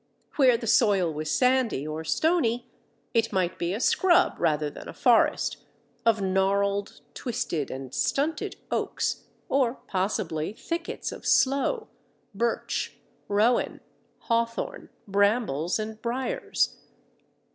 Where the soil was sandy or stony, it might be a scrub rather than a forest, of gnarled, twisted, and stunted oaks, or possibly thickets of sloe, birch, rowan, hawthorn, brambles, and briers.